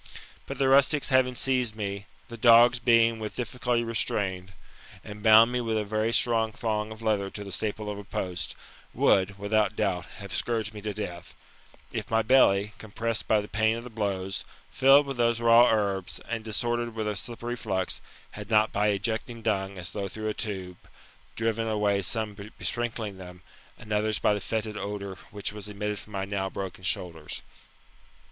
But the rustics having seized me, the dogs being with difficulty restrained, and bound me with a very strong thong of leather to the staple of a post, would, without doubt, have scourged me to death ; if my belly, compressed by the pain of the blows, filled with those raw herbs, and disordered with a slippery flux, had not by ejecting dung, as through a tube, driven away some by besprinUing them, and other by the fetid odour which was emitted from my now broken shoulders.